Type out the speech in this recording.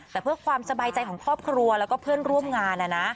แต่เพื่อความสบายใจของครอบครัวแล้วก็เพื่อนร่วมงาน